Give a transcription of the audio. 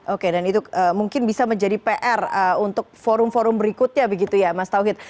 oke dan itu mungkin bisa menjadi pr untuk forum forum berikutnya begitu ya mas tauhid